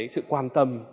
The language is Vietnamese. sự quan tâm